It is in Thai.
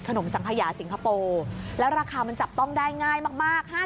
สังขยาสิงคโปร์แล้วราคามันจับต้องได้ง่ายมาก